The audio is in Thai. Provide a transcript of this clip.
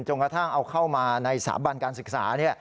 กระทั่งเอาเข้ามาในสถาบันการศึกษา